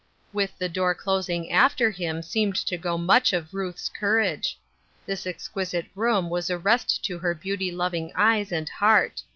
With the door closing after him seemed to go much of Ruth's courage. This exquisite room was a rest to her beauty loving eyes and heart.